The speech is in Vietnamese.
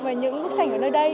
về những bức tranh ở nơi đây